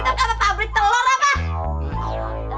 apa kita kata pabrik telur apa